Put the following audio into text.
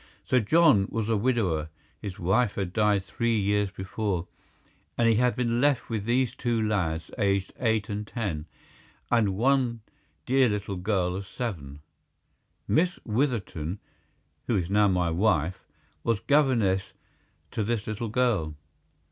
Sir John was a widower—his wife had died three years before—and he had been left with these two lads aged eight and ten, and one dear little girl of seven. Miss Witherton, who is now my wife, was governess to this little girl.